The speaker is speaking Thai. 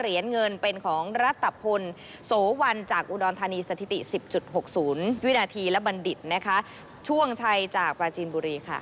เหรียญเงินเป็นของรัฐพลโสวันจากอุดรธานีสถิติ๑๐๖๐วินาทีและบัณฑิตนะคะช่วงชัยจากปราจีนบุรีค่ะ